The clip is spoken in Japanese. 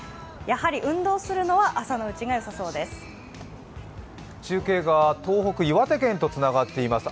やはり運動するのは朝のうちがよさそうです。